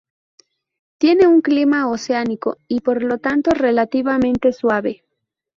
Tiene un clima oceánico y por lo tanto relativamente suave.